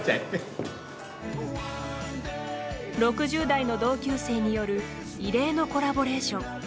６０代の同級生による異例のコラボレーション。